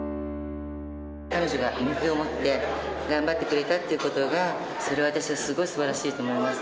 彼女が目標を持って頑張ってくれたっていうことが、それは私はすごいすばらしいと思います。